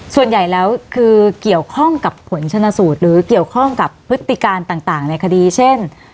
ส่วนใหญ่แล้วคือเกี่ยวข้องกับผลชนสูตรหรือเกี่ยวข้องกับพฤติการต่างในคดีเช่น